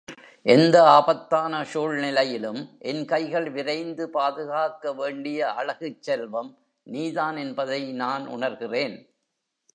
எந்த ஆபத்தான சூழ்நிலையிலும் என் கைகள் விரைந்து பாதுகாக்க வேண்டிய அழகுச் செல்வம் நீதான் என்பதை நான் உணர்கிறேன்.